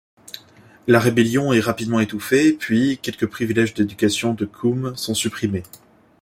La rébellion est rapidement étouffée, puis, quelques privilèges d'éducation de Kume sont supprimés.